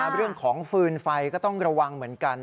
เรื่องของฟืนไฟก็ต้องระวังเหมือนกัน